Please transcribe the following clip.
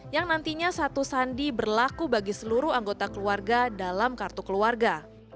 yang nantinya satu sandi berlaku bagi seluruh anggota keluarga dalam kartu keluarga